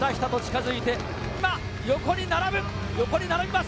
今、横に並びます。